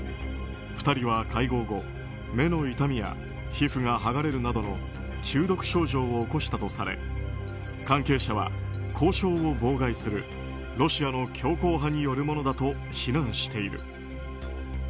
２人は会合後、目の痛みや皮膚が剥がれるなどの中毒症状を起こしたとされ関係者は、交渉を妨害するロシアの強硬派によるものだと非難している。